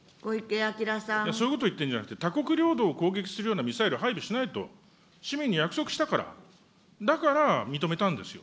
そういうことを言ってるんじゃなくて、他国領土を攻撃するようなミサイルは配備しないと市民に約束したから、だから認めたんですよ。